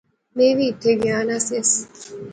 میں وی ایتھیں گیا نا سیس